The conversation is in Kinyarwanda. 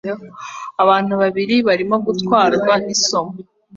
Abantu babiri barimo gutwarwa nisumo